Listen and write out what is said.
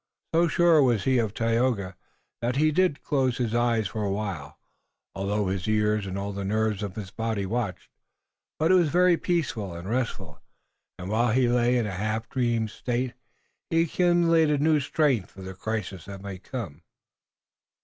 So sure was he of Tayoga that he did close his eyes for a while, although his ears and all the nerves of his body watched. But it was very peaceful and restful, and, while he lay in a half dreamy state, he accumulated new strength for the crisis that might come.